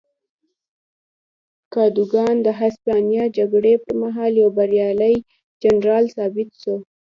کادوګان د هسپانیا جګړې پر مهال یو بریالی جنرال ثابت شو.